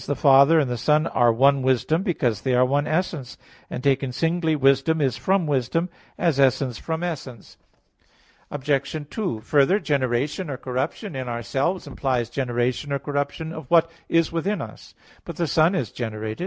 vii, i, 2): "The Father and the Son are one Wisdom, because they are one essence; and taken singly Wisdom is from Wisdom, as essence from essence." Obj. 2: Further, generation or corruption in ourselves implies generation or corruption of what is within us. But the Son is generated.